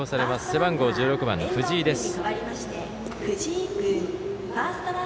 背番号１６番、藤井です。